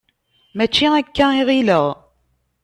Mačči akka i ɣileɣ.